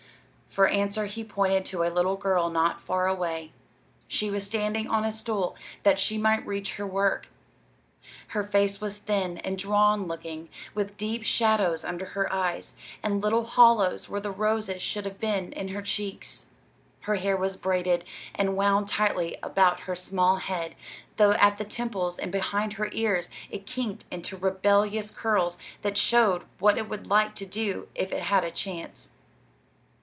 For answer he pointed to a little girl not far away. She was standing on a stool, that she might reach her work. Her face was thin and drawn looking, with deep shadows under her eyes, and little hollows where the roses should have been in her cheeks. Her hair was braided and wound tightly about her small head, though at the temples and behind her ears it kinked into rebellious curls that showed what it would like to do if it had a chance.